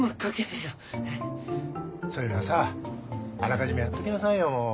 そういうのはさあらかじめやっときなさいよ。